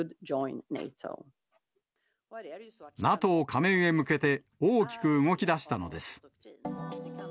ＮＡＴＯ加盟へ向けて、大きく動き出したのです。